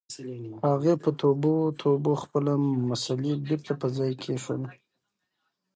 هغې په توبو توبو خپله مصلّی بېرته په ځای کېښوده.